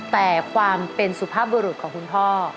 แต่ความเป็นสุภาพบุรุษของคุณพ่อ